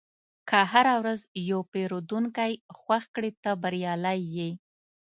که هره ورځ یو پیرودونکی خوښ کړې، ته بریالی یې.